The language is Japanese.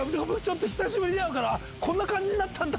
久しぶりに会うからこんな感じになったんだ！